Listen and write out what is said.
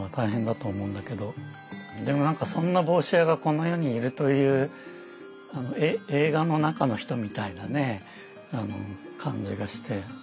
でもなんかそんな帽子屋がこの世にいるという映画の中の人みたいなね感じがして。